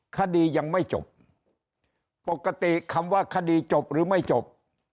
คดียังไม่จบปกติคำว่าคดีจบหรือไม่จบ